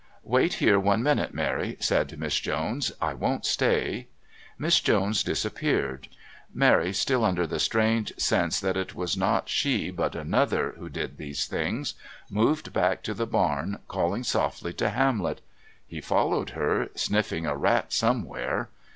"Wait here one minute, Mary," said Miss Jones. "I won't stay." Miss Jones disappeared. Mary, still under the strange sense that it was not she, but another, who did these things, moved back to the barn, calling softly to Hamlet. He followed her, sniffing a rat somewhere.